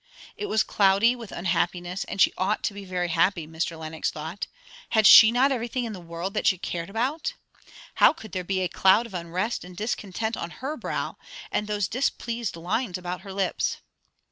It was cloudy with unhappiness; and she ought to be very happy, Mr. Lenox thought; had she not everything in the world that she cared about? How could there be a cloud of unrest and discontent on her brow, and those displeased lines about her lips?